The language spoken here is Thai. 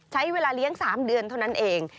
ใช้เวลาเลี้ยง๓เดือนเท่านั้นเอง